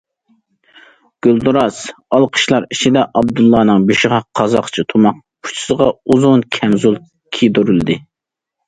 گۈلدۈراس ئالقىشلار ئىچىدە ئابدۇللانىڭ بېشىغا قازاقچە تۇماق، ئۇچىسىغا ئۇزۇن كەمزۇل كىيدۈرۈلدى.